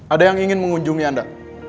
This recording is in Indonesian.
ada yang ingin mengunjungi anda